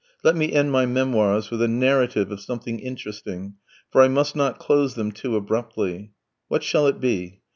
Let me end my memoirs with a narrative of something interesting, for I must not close them too abruptly. What shall it be?